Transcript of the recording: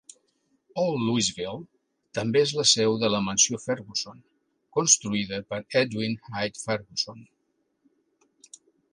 Old Louisville també és la seu de la Mansió Ferguson, construïda per Edwin Hite Ferguson.